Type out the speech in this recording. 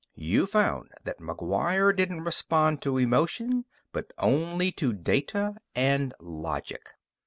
You found that McGuire didn't respond to emotion, but only to data and logic.